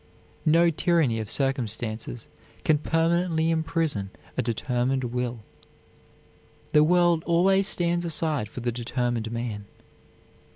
No tyranny of circumstances can permanently imprison a determined will. The world always stands aside for the determined man.